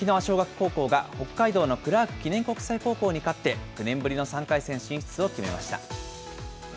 沖縄尚学高校が北海道のクラーク記念国際高校に勝って、９年ぶりの３回戦進出を決めました。